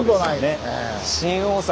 新大阪。